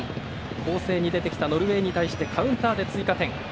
攻勢に出てきたノルウェーに対してカウンターで追加点。